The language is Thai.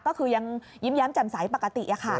ก็คือยังยิ้มแย้มจำสายปกติ